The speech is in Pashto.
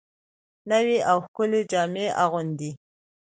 نوې او ښکلې جامې اغوندي